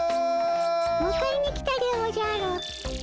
むかえに来たでおじゃる。